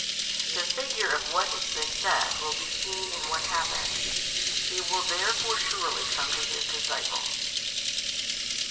The figure of what has been said will be seen in what happened, He will therefore surely come to His disciples.